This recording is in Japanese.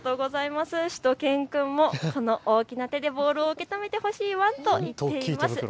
しゅと犬くんも大きな手でボールを受け止めてほしいなと言ってます。